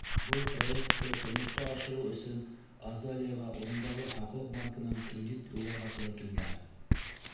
Был проектты тормошҡа ашырыу өсөн Азалияға урындағы Һаҡлыҡ банкынан кредит юлларға тура килгән.